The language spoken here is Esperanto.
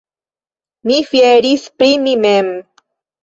Mi fieris pri mi mem!